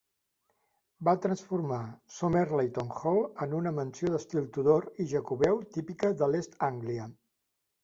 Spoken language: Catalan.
Va transformar Somerleyton Hall en una mansió d'estil Tudor i jacobeu típica d'East Anglia.